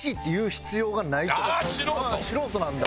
素人なんだ。